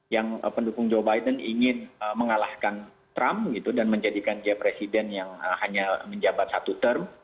yang pendukung joe biden ingin mengalahkan trump gitu dan menjadikan dia presiden yang hanya menjabat satu term